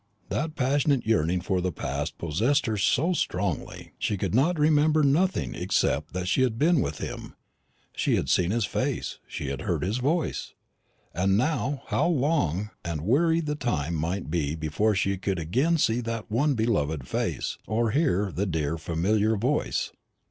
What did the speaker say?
That passionate yearning for the past possessed her so strongly. She could remember nothing except that she had been with him. She had seen his face, she had heard his voice; and now how long and weary the time might be before she could again see that one beloved face or hear the dear familiar voice!